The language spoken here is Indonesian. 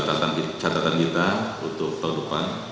ini juga menjadi catatan kita untuk tahun depan